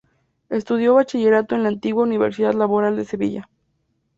Estudió Bachillerato en la antigua Universidad Laboral de Sevilla.